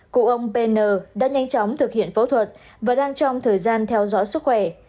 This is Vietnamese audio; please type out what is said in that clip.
cụ ông pn đã nhanh chóng thực hiện phẫu thuật và đang trong thời gian theo dõi sức khỏe